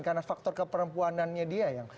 karena faktor keperempuanannya dia yang